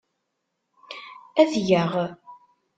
Ad t-geɣ.